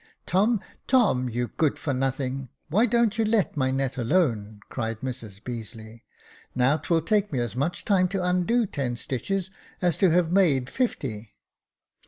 "Tom, Tom, you good for nothing — why don't you let my net alone .?" cried Mrs Beazeley ;" now 'twill take me as much time to undo ten stitches as to have made fifty."